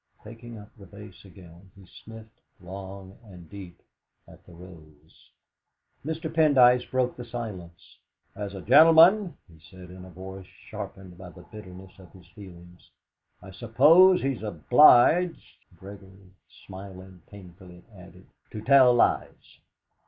Taking up the vase again, he sniffed long and deep at the rose. Mr. Pendyce broke the silence. "As a gentleman," he said in a voice sharpened by the bitterness of his feelings, "I suppose he's obliged " Gregory, smiling painfully, added: "To tell lies."